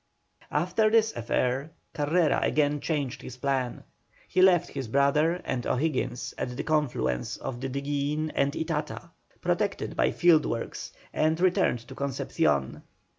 After this affair Carrera again changed his plan. He left his brother and O'Higgins at the confluence of the Diguillin and Itata, protected by fieldworks, and returned to Concepcion.